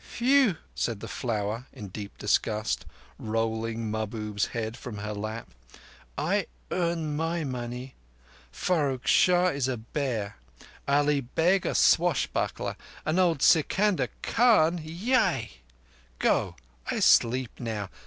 Phew!" said the Flower with deep disgust, rolling Mahbub's head from her lap. "I earn my money. Farrukh Shah is a bear, Ali Beg a swashbuckler, and old Sikandar Khan—yaie! Go! I sleep now.